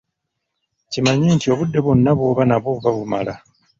Kimanye nti obudde bwonna bw'oba nabwo buba bumala!